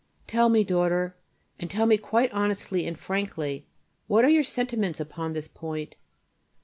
Tell me, daughter, and tell me quite honestly and frankly, what are your sentiments upon this point?